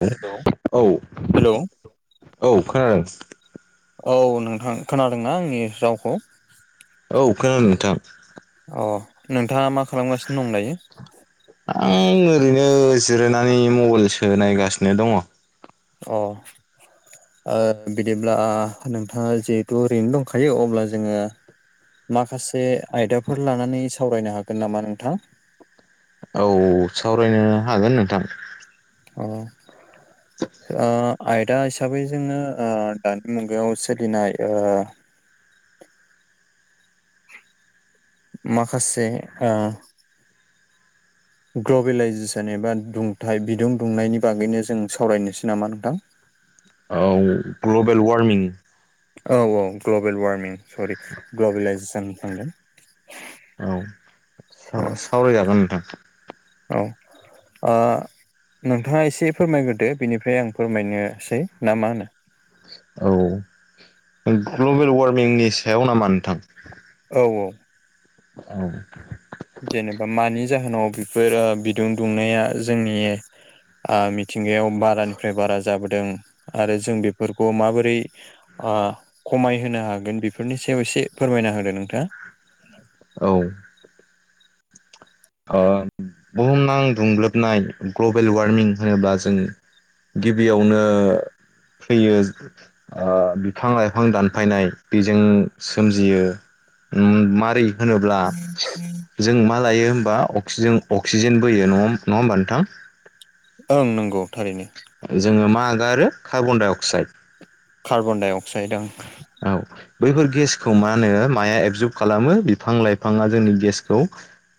[unintelligible] औ हेलौ औ खोनादों। औ नोंथां खोनादोंना आंनि रावखौ? औ खोनादों नोंथां। अ नोंथाङा मा खालामगासिनो दं दायो? आं ओरैनो जिरायनानै मबाइलसो नायगासिनो दङ। अ। ओ बिदिब्ला आ नोंथाङा जिहेथु ओरैनो दंखायो अब्ला जोङो। माखासे आयदाफोर लानानै सावरायनो हागोन नामा नोंथां? औ सावरायनो हागोन नोंथां। अ। ओ आयदा हिसाबै जोङो ओ दानि मुगायाव सोलिनाय ओ माखासे ओ ग्ल'बेलाइजेसन एबा दुंथाय बिदुं दुंनायनि बागैनो जों सावरायनोसै नामा नोंथां? औ ग्लबेल वारमिं। औ औ ग्लबेल वारमिं सरि ग्लबेेलाइजेसन होनप्लांदों। साव-सावराय जागोन नोंथां। औ। ओ नोंथाङा एसे फोरमायग्रोदो बेनिफ्राय आं फोरमायनोसै ना मा होनो? औ ग्लबेल वारमिंनि सायाव नामा नोंथां? औ औ। औ। जेनोबा मानि जाहोनाव बेफोरो बिदुं दुंनाया जोंनि ओ मि थिंगायाव बारानिफ्राय बारा जाबोदों आरो जों बेफोरखौ माबोरै ओ खमायहोनो हागोन बेफोरनि सायाव एसे फोरमायना होदो नोंथाङा। औ। ओ बुहुमनां दुंग्लोबनाय ग्लबेल वार्मिं होनोब्ला जों गिबियावनो फैयो ओ बिफां लाइफां दानफायनाय बेजों सोमजियो उम मारै होनोब्ला जों मा लायो बा अक्सिजेन-अक्सिजेन बोयो। नङाम नङा होमबा नोंथां? ओं नोंगौ थारैनो। जोङो मा आगारो carbon dioxide. Carbon dioxide ओं। औ। बैफोर गेसखौ मा होनो माया एबजर्ब खालामो बिफां लाइफाङा जोंनि गेसखौ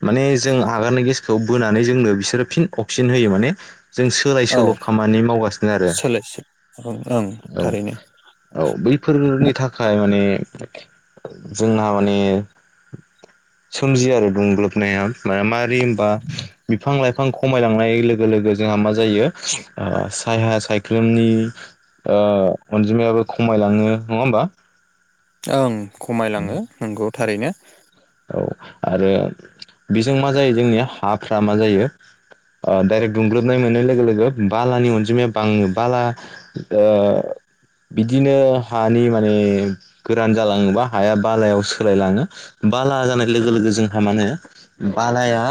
माने जों आगारनाय गेसखौ बोनानै जोंनो बिसोरो फिन अक्सिजेन होयो माने जों सोलाय औ सोल' खामानि मावगासिनो आरो सोलायसो ओं ओं औ। थारैनो औ बैफोरनि थाखाय माने जोंना माने सोमजियो आरो दुंग्लोबनाया माया मारै होमबा बिफां लाइ फां खमायलांनाय लोगो लोगो जोंहा मा जायो ओ साया सायख्लुमनि ओ अनजिमायाबो खमायलाङो नङा होमबा? ओं खमायलाङो नोंगौ थारैनो। औ आरो बेजों मा जायो जोंनिया हाफ्रा मा जायो ओ डाइरेक्ट दुंग्लोबनाय मोननाय लोगो लोगो बालानि अनजिमाया बाङो बाला ओ बिदिनो हानि माने गोरान जालाङोबा हाया बालायाव सोलायलाङो। बाला जानाय लोगो लोगो जोंहा मानो बालाया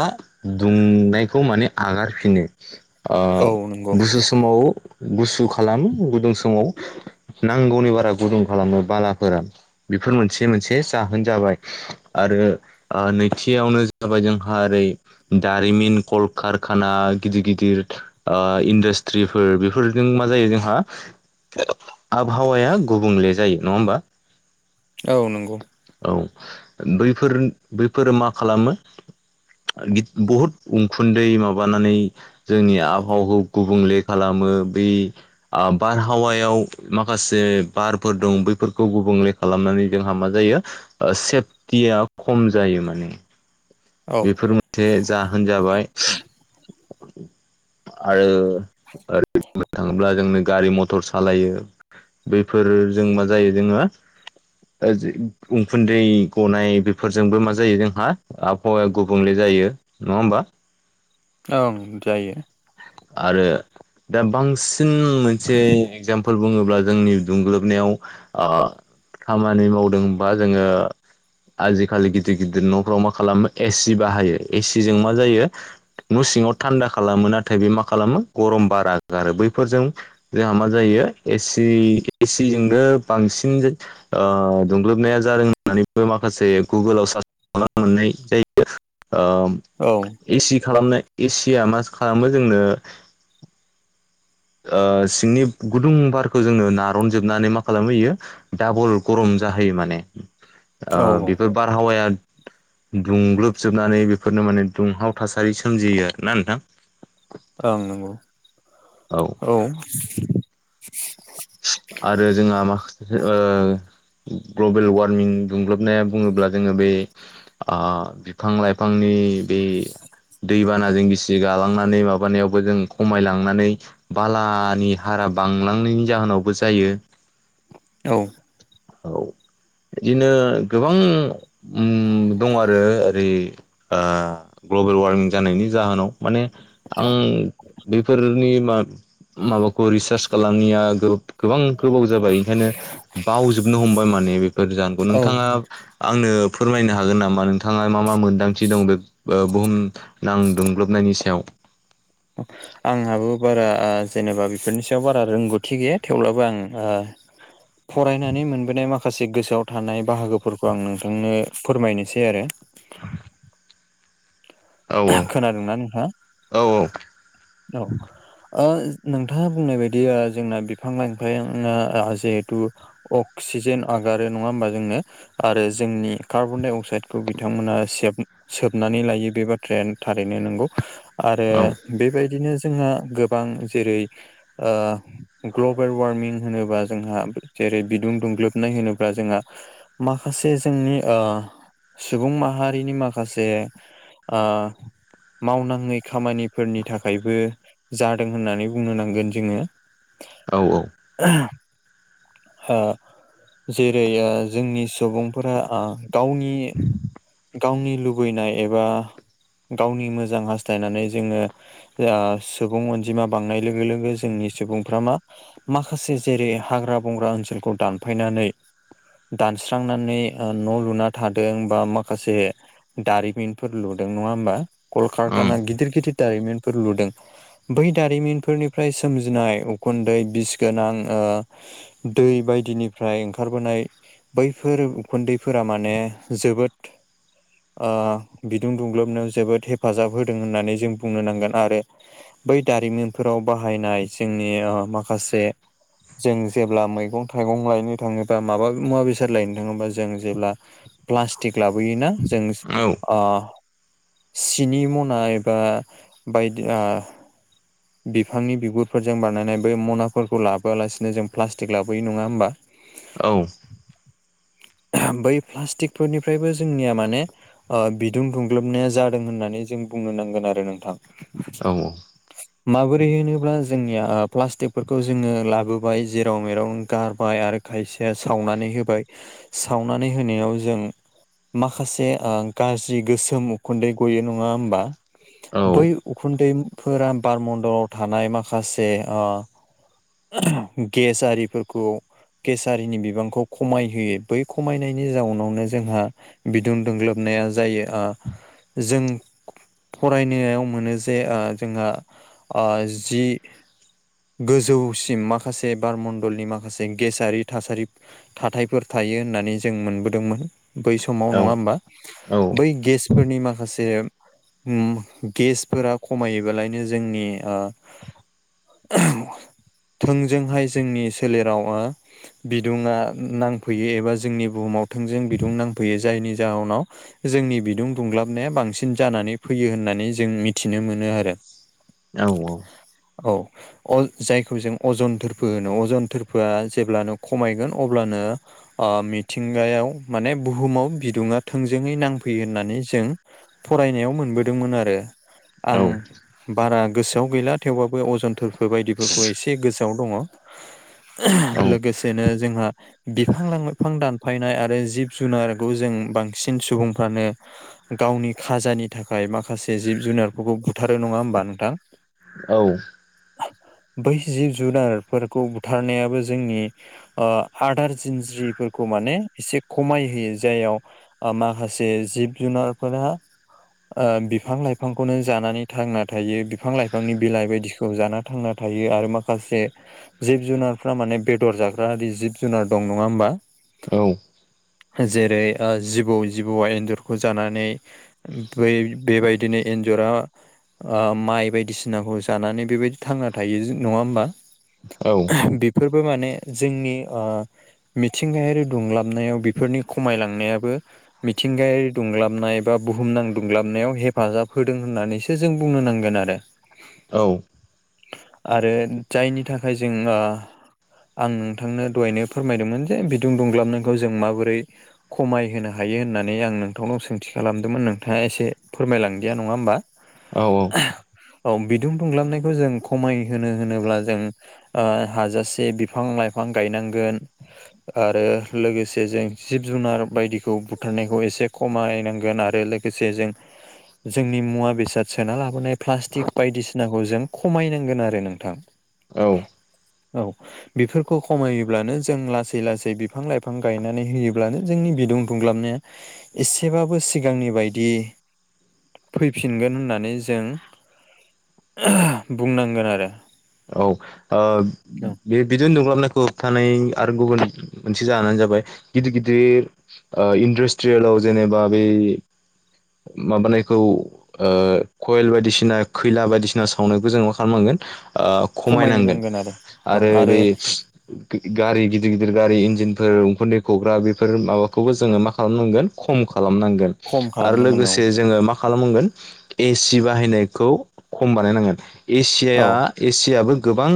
दुंनायखौ माने आगारफिनो। ओ औ नंगौ गुसु समाव गुसु खालामो गुदुं समाव नांगौनि बारा गुदुं खालामो बालाफोरा। बेफोर मोनसे मोनसे जाहोन जाबाय आरो ओ नैथियावनो जाबाय जोंहा ओरै दारिमिन कलकारखाना गिदिर गिदिर ओ इन्डास्ट्रिफोर बेफोरजों मा जायो जोंहा आबहावाया गुबुंले जायो नङा होमबा? औ नंगौ। औ बैफोर बैफोरो मा खालामो गिद बहुद उखुन्दै माबानानै जोंनि आबहावाखौ गुबुंले खालामो बै आ बारहावायाव माखासे बारफोर दं बैफोरखौ गुबुंले खालामनानै जोंहा मा जायो ओ सेफटिया खम जायो माने। औ बेफोर मोनसे जाहोन जाबाय। आरो ओरै बुंनो थाङोब्ला जोंनो गारि मथर सालायो‌ बैफोर जों मा जायो जोंहा ओ जि उखुन्दै गनाय बेफोरजोंबो मा जायो जोंहा आबहावाया गुबुंले जायो नङा होमबा? ओं जायो। आरो दा बांसिन मोनसे एक्जामपोल बुङोब्ला जोंनि दुंग्लोबनायाव ओ खामानि मावदों बा जोङो आजिखालि गिदिर गिदिर न'फ्राव मा खालामो एसि बाहायो एसिजों मा जायो न' सिङाव थान्दा खालामो नाथाय बे मा खालामो गरम बारा गारो आरो बैफोरजों जोंहा मा जायो एसि एसिजोंनो बांसिन ओ दुंग्लोबनाया जादों होननानैबो माखासे गुगोलाव सार्च खालामबा मोननाय जायो। ओ औ। एसि खालामनाय एसिया मा खालामो जोंनो ओ सिंनि गुदुं बारखौ जोंनो नारन जोबनानै मा खालामहैयो डाबल गरम जाहैयो माने ओ औ औ बेफोर बारहावाया दुंग्लोबजोबनानै बेफोरनो माने दुंहाव थासारि सोमजियो आरो ना नोंथां। ओं नंगौ। औ। औ। आरो जोंहा माखासे ओ ग्लबेल वारमिं दुंग्लोबनाया बुङोब्ला जोङो बे आ फिफां लाइफांनि बे दैबानाजों गिसि गालांनानै माबानायावबो जों खमायलांनानै बालानि हारा बांलांनायनि जाहोनावबो जायो औ औ बिदिनो उम गोबां दं आरो ओरै ग्लबेल वार्मिं जानायनि जाहोनाव माने आं बेफोरनि मा माबाखौ रिसार्च खालामनाया गोब गोबां गोबाव जाबाय ओंखायनो बावजोबनो हमबाय माने बेफोर जाहोनखौ औ नोंथाङा आंनो फोरमायनो हागोन नामा नोंथाङा मा मा मोन्दांथि दं बे बुहुम नांदुंग्लोबनायनि सायाव [inaudible] आंहाबो बारा जेनेबा बेफोरनि सायाव बारा रोंगौथि गैया थेवब्लाबो आं फरायनानै मोनबोनाय माखासे गोसोआव थानाय बाहागोफोरखौ आं नोंथांनो फोरमायनोसै आरो औ खोनादोंना नोंथांङा औ औ आ नोंथाङा बुंनाय बदि जोंना बिफां लाइफेंआ जिहेथु अक्सिजेन आगारो नङा होमबा जोंनो आरो जोंनि कार्बन डाइ अक्साइदखौ बिथांमोना सोबनानै लायो बेबादि ट्रेन थारैनो नंगौ आरो औ बेबायदिनो जोंहा गोबां जेरै ओ ग्लबेल वार्मिं होनोब्ला जोंहा जेरै बिदुं दुंग्लोबनाय होनोब्ला जोंहा माखासे जोंनि आ सुबुं माहारिनि माखासे आ मावनाङै खामानिफोरनि थाखायबो जादों होननानै बुंनो नांगोन जोङो औ औ [inaudible] हा जेरै जोंनि सुबुंफोरा ओ गावनि गावनि लुबैनाय एबा गावनि मोजां हास्थायनानै जोङो ओआ सुबुं अनजिमा बांनाय लोगो लोगो जोंनि सुबुंफ्रा मा माखासे जेरै हाग्रा बंग्रा ओनसोलखौ दानफायनानै दानस्रांनानै ओ न' लुना थादों बा माखासे दारिमिनफोर लुदों नङा होमबा कलकारताना गिदिर गिदिर दारिमिनफोर लुदों बै दारिमिनफोरनिफ्राय सोमजिनाय उखुन्दै बिस गोनां ओ दै बायदिनिफ्राय ओंखारबोनाय बैफोर उखुन्दैफोरा माने जोबोद बि आ गुदुं दुंग्लोबनायाव जोबोद हेफाजाब होदों होननानै जों बुंनो नांगोन आरो बै दारिमिनफोराव बाहायनाय जोंनि आ माखासे जों जेब्ला मैगं थाइगं लायनो थाङोबा माबा मुवा बेसाद लायनो थाङोबा जों जेब्ला प्लास्टिक लाबोयोना जों औ ओं आ सिनि मना एबा बायदि आ बिफांनि बिगुरफोरजों बानायनाय बै मनाफोरखौ लाबोआलासिनो जों प्लास्टिक लाबोयो नङा होमबा औ बै प्लास्टिकफोरनिफ्रायबो जोंनिया माने ओ बिदुं दुं ग्लोबनाया जादों होननानै जों बुंनो नांगोन आरो नोंथां औ औ [inaudible] माबोरै होनोब्ला जोंनिया प्लास्टिकफोरखौ जोङो लाबोबाय जेराव मेराव गारबाय आरो खायसेया सावनानै होबाय सावनानै होनायाव जों माखासे ओ गाज्रि गोसोम उखुन्दै गयो नङा होमबा। बै औ उखुन्दैफोरा बारमणन्दलाव थानाय माखासे ओ गेस आरिफोरखौ गेसआरिनि बिबांखौ खमायहोयो बै खमायनायनि जाउनावनो जोंहा बिदुं दुंग्लोबनाया जायो ओ जों फरायनायाव मोनो जे ओ जोंहा जि गोजौसिम माखासे बार मण्डलनि माखासे गेसारि थासारि थाथायाइफोर थायो होननानै जों मोनबोदोंमोन बै समाव नङा होमबा बै गेस फोरनि माखासे उम गेसफोरा खमायोबालायनो जोंनि ओ थोंजोंहाय जोंनि सोलेराव ओ बिदुङा नांफैयो एबा जोंनि बुहुमाव थोंजों बिदुं नांफैयो जायनि जाहोनाव जोंनि बिदुं दुंग्लाबनाया बांसिन जानानै फैयो होननानै जों मिथिनो मोनो आरो। औ औ औ अज जायखौ जों अजन दोरफो होनो अजन थोरफोआ जेब्लानो खमायगोन अब्लानो मिथिंगायाव माने बुहुमाव बिदुङा थोंजोङै नांफैयो होननानै जों फरायनायाव मोनबोदोंमोन आरो आं औ बारा गोसोआव गैला थेवबाबो अजनथफोर बायदिफोरखौ एसे गोसोआव दङ। औ लोगोसेनो जोंहा बिफां लाइफां दानफायनाय आरो जिब जुनारखौ जों बांसिन सुबुंफ्रानो गावनि खाजानि थाखाय माखासे जिब जुनारफोरखौ बुथारो नङा होमबा नोंथां? औ बै जिब जुनारफोरखौ बुथारनायाबो जोंनि आदार जिन्ज्रिफोरखौ माने एसे खमाय होयो जाययाव माखासे जिब जुनारफोरा बिफां लाइफांखौनो जानानै थांना थायो बिफां लाइफांनि बिलाइ बायदिखौ जाना थांना थायो आरो माखासे जिब जुनारफ्रा माने बेदर जाग्रा आरि जिब जुनार दं नङा होमबा? औ जेरै जिबौ जिबौआ एन्जरखौ जानानै ओमफाय बेबायदिनो एन्जरा माइ बायदिसिनाखौ जानानै बेबायदि थांना थायो नङा होमबा? औ बेफोरबो माने जोंनि ओ मिथिंगायारि दुंलाबनायाव बेफोरनि खमायलांनायाबो मिथिंगायारि दुंलाबनाय बा बुहुमनां दुंब्लाबनायाव हेफाजाब होदों होननानैसो जों बुंनो नांगोन आरो। औ आरो जायनि थाखाय जोंहा आं नोंथांनो दहायनो फोरमायदोंमोन जे बिदुं दुंग्लाबनायखौ जों माबोरै खमायहोनो हायो होननानै आं नोंथांनाव सोंथि खालामदोंमोन नोंथाङा एसे फोरमायलांदिया नङा होमबा? औ औ औ बिदुं दुंग्लाबनायखौ जों खमायहो होनोब्ला जों हाजासे बिफां लाइफां गायनांगोन। आरो लोगोसे जों जिब जुनार बायदिखौ बुथारनायखौ एसे खमायनां होगोन आरो लोगोसे जों जोंनि मुवा बेसाद सोना लाबोनाय प्लास्टिक बायदिसिनाखौ जों खमायनांगोन आरो नोंथां। औ औ औ बेफोरखौ खमायोब्लानो जों लासै लासै बिफां लाइफां गायनानै होयोब्लानो जोंनि बिदुं। खुंग्लाबनो एसेबाबो सिगांनि बायदि फैफिनगोन होननानै जों ओह बुंनांगोन आरो औ ओ औ बे बिदुं दुंलाबनायखौ होबथानाय आरो गुबुन मोनसे जाहोनानो जाबाय गिदिर गिदिर ओ इन्डास्ट्रियेलाव जेनेबा बै माबानायखौ ओ कयल बायदिसिना खैला बायदिसिना सावनायखौ जों मा खालामनांगोन ओ खमायनो खमायनांगोन नांगोन आरो ओं आरो बै गारि गिदिर गिदिर गारि इन्जिनफोर उखुन्दैखुग्रा बेफोर माबाखौबो जोङो मा खालामनांगोन खम खालामनांगोन खम आरो खालामनांगोन औ लोगोसे जोङो मा खालामांगोन ए सि बाहायनायखौ खम बानायनांगोन ए औ सिआ ए सि आबो गोबां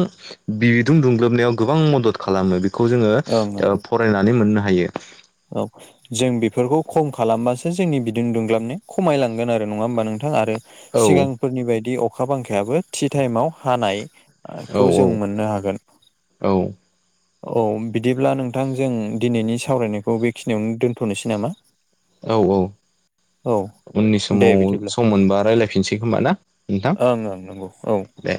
बिदुं दुंग्लोबनायाव गोबां मदद खालामो बेखौ जोङो ओं ओं ओ फरायनानै मोननो हायो। औ जों बेफोरखौ खम खालामबासो जोंनि बिदुं दुंग्लाबनाय खमायलांगोन आरो नङा होमबा नोंथां आरो औ औ सिगांफोरनि बायदि अखा बांखायाबो थि टाइमाव हानाय। आ खौबो जों औ मोननो हागोन। औ औ बिदिब्ला नोंथां जों दिनैनि सावरायनाय। खौ बेखिनियावनो दोनथ'नोसै नामा? औ औ औ उननि दे समाव बिदिब्ला सम मोनबा रायजलायफिनसै खोमा ना नोंथां? नोंगौ औ दे